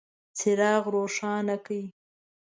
څراغ روښانه کړئ